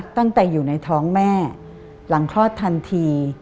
ตั้งแต่อยู่ในท้องแม่หลังคลอดทันที